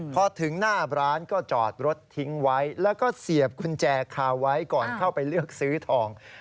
พอถึงหน้าร้านก็จอดรถทิ้งไว้แล้วก็เสียบกุญแจคาไว้ก่อนเข้าไปเลือกซื้อทอง